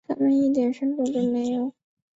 他们一点深度都没有。